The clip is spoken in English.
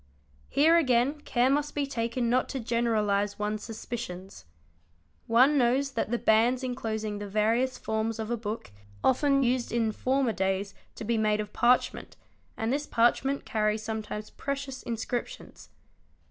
Here again care must be taken not to generalise one's suspicions. One knows that the bands enclosing the various forms of a book used often in former days to be made of parchment, and this parchment carries sometimes precious inscriptions.